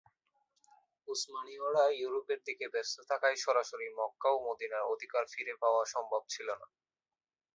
উসমানীয়রা ইউরোপের দিকে ব্যস্ত থাকায় সরাসরি মক্কা ও মদিনার অধিকার ফিরে পাওয়া সম্ভব ছিল না।